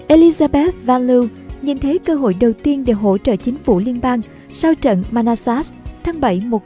elizabeth van loo nhìn thấy cơ hội đầu tiên để hỗ trợ chính phủ liên bang sau trận manassas tháng bảy một nghìn tám trăm sáu mươi một